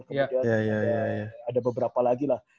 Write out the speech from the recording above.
kemudian ada beberapa lagi lah